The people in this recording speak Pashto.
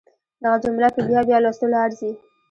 دغه جمله په بيا بيا لوستلو ارزي.